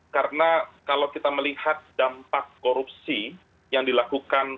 karena kalau kita melihat dampak korupsi yang dilakukan